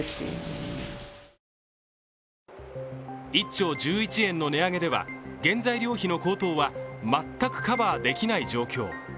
１丁１１円の値上げでは、原材料費の高騰は全くカバーできない状況。